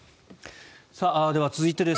では、続いてです。